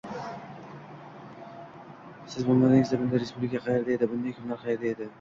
Siz bo‘lmaganingizda... bunday respublika qaerda edi, bunday kunlar qaerda edi?